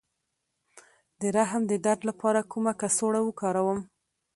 د رحم د درد لپاره کومه کڅوړه وکاروم؟